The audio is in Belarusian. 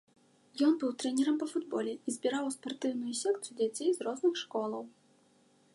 Ён быў трэнерам па футболе і збіраў у спартыўную секцыю дзяцей з розных школаў.